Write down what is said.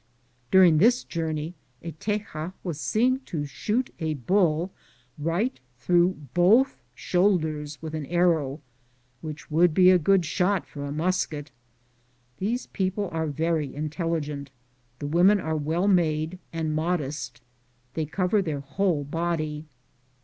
During this journey a Teya was seen to shoot a bull right through both shoulders with an arrow, which would be a good shot for a musket. These people are very intelligent ; the women are well made and modest. They cover their whole body.